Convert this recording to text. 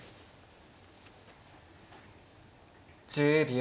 １０秒。